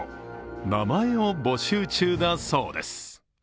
名前を募集中だそうです。